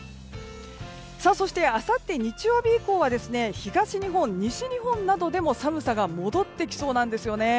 そして、あさって日曜日以降は東日本、西日本などでも寒さが戻ってきそうなんですよね。